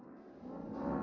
kabur lagi kejar kejar kejar